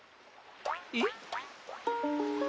えっ？